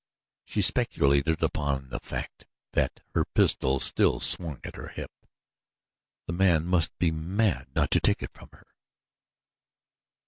She speculated much upon the fact that her pistol still swung at her hip. The man must be mad not to take it from her.